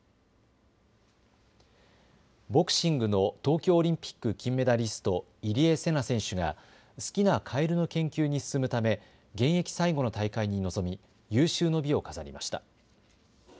ボクシングの東京オリンピック金メダリスト、入江聖奈選手が好きなカエルの研究に進むため現役最後の大会に臨み有終の美を飾りました。